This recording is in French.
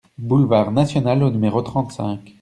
Boulevard National au numéro trente-cinq